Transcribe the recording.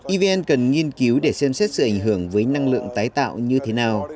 evn cần nghiên cứu để xem xét sự ảnh hưởng với năng lượng tái tạo như thế nào